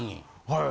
はい。